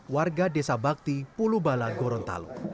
warga desa bakti pulubala gorontalo